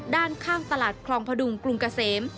ด้านข้างตลาดคลองพดุงกรุงเกษม